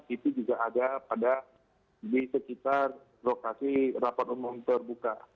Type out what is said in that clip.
itu juga ada pada di sekitar lokasi rapat umum terbuka